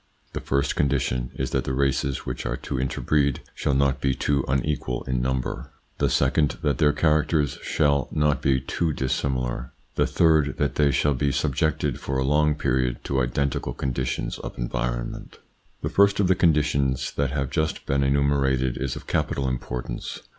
The first condition is that the races which are to interbreed shall not be too unequal in number ; the 52 THE PSYCHOLOGY OF PEOPLES: second, that their characters shall not be too dis similar ; the third, that they shall be , subjected for a long period to identical conditions of environment. The first of the conditions that have just been enumerated is of capital importance.